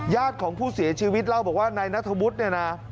ญาติของผู้เสียชีวิตเล่าบอกว่านายนัทวุฒิเนี่ยนะ